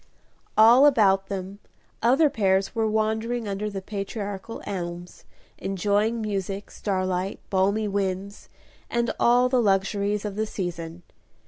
All about them other pairs were wandering under the patriarchal elms, enjoying music, starlight, balmy winds, and all the luxuries of the season.